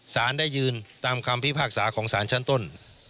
สารได้ยืนตามคำพิพากษาของสารชั้นต้น